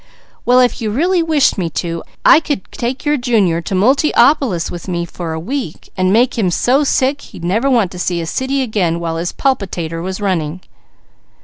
_ Well if you really wished me to, I could take your Junior to Multiopolis with me for a week and make him so sick he'd never want to see a city again while his palpitator was running."